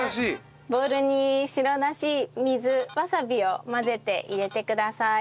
ボウルに白だし水わさびを混ぜて入れてください。